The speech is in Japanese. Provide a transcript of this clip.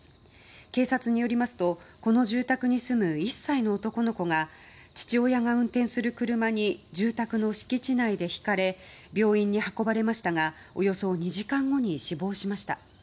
警察によりますとこの住宅に住む１歳の男の子が父親が運転する車に住宅の敷地内でひかれ病院に運ばれましたがおよそ２時間後に死亡しました。